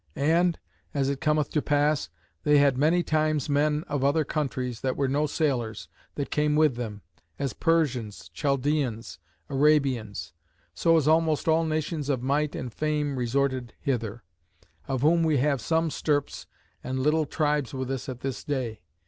And (as it cometh to pass) they had many times men of other countries, that were no sailors, that came with them; as Persians, Chaldeans, Arabians; so as almost all nations of might and fame resorted hither; of whom we have some stirps, and little tribes with us at this day.